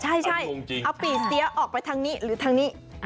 ใช่เอาปี่เสียออกไปทางนี้หรือทางนี้